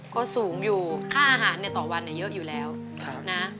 ก็สูงอยู่ค่าอาหารเนี่ยต่อวันเยอะอยู่แล้วนะ